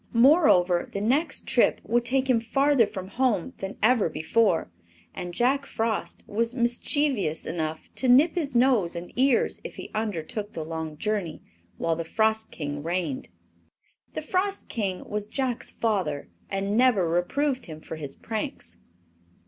Moreover, the next trip would take him farther from home than every before, and Jack Frost was mischievous enough to nip his nose and ears if he undertook the long journey while the Frost King reigned. The Frost King was Jack's father and never reproved him for his pranks.